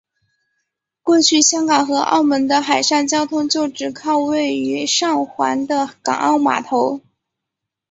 过去香港和澳门的海上交通就只靠位于上环的港澳码头。